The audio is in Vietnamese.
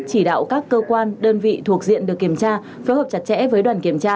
chỉ đạo các cơ quan đơn vị thuộc diện được kiểm tra phối hợp chặt chẽ với đoàn kiểm tra